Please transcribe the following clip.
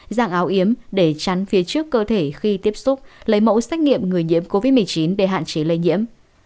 dạng áo yếm để tránh phía trước cơ thể khi tiếp xúc lấy mẫu xách nghiệm người nhiễm covid một mươi chín để hạn chế lây nhiễm